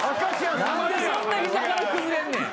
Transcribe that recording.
何でそんな膝から崩れんねや。